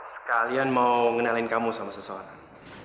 sekalian mau ngenalin kamu sama seseorang